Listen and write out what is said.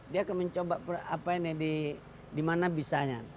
dia akan mencoba apa ini di mana bisa nya